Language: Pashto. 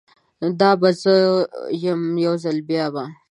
دا به زه یم، یوځل بیابه